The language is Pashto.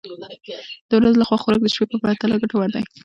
د ورځې لخوا خوراک د شپې په پرتله ګټور دی.